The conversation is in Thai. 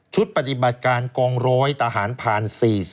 ชุดปฏิบัติการกองร้อยทหารพลาน๔๔๑๒